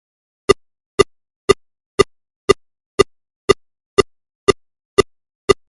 Зуны нэг азарган бороотой шөнө нохой боргоох, дөрөө харших, хүн дуугарах чимээгээр би сэржээ.